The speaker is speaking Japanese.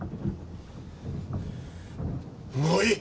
もういい！